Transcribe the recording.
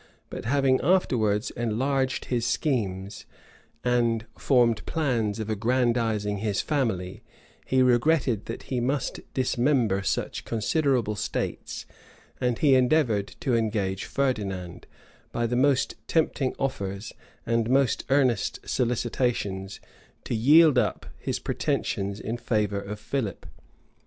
But having afterwards enlarged his schemes, and formed plans of aggrandizing his family, he regretted that he must dismember such considerable states and he endeavored to engage Ferdinand, by the most tempting offers, and most earnest solicitations, to yield up his pretensions in favor of Philip.